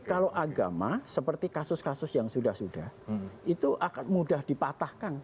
kalau agama seperti kasus kasus yang sudah sudah itu akan mudah dipatahkan